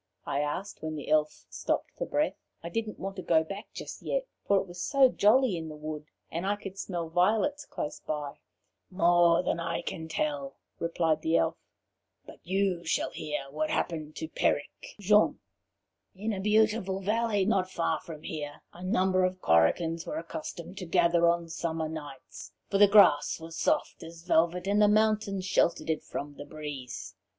I asked when the Elf stopped for breath. I didn't want to go back just yet, for it was jolly in the wood, and I could smell violets close by. "More than I can tell," replied the Elf, "but you shall hear what happened to Peric and Jean." The Story of Peric and Jean. "In a beautiful valley not far from here a number of Korrigans were accustomed to gather on summer nights, for the grass was soft as velvet, and the mountains sheltered it from the breeze.